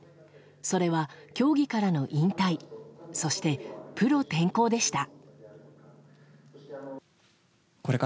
それは競技からの引退そして、プロ転向でした。